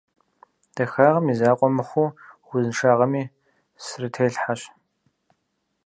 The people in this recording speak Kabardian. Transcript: Дахагъэм и закъуэ мыхъуу, узыншагъэми срителъхьэщ.